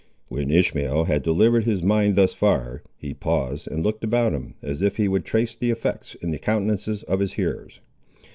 When Ishmael had delivered his mind thus far, he paused and looked about him, as if he would trace the effects in the countenances of his hearers.